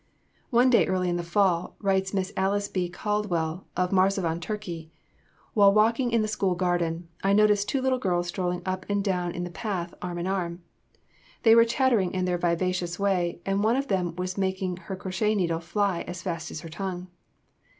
"One day early in the fall," writes Miss Alice B. Caldwell of Marsovan, Turkey, "while walking in the school garden I noticed two little girls strolling up and down the path arm in arm. They were chattering in their vivacious way, and one of them was making her crochet needle fly as fast as her tongue.